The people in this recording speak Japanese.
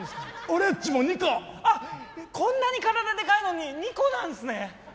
俺っちも２個あこんなに体でかいのに２個なんですね